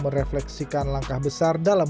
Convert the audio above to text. serta berkaitan dengan kembang kembang